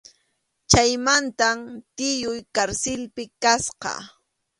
Chaymantam tiyuy karsilpi kasqa.